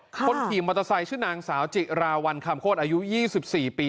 คนขี่มอเตอร์ไซค์ชื่อนางสาวจิราวัลคำโคตรอายุ๒๔ปี